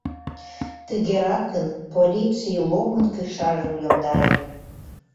Тыгеракын, полиций Ломын кышажым йомдарен.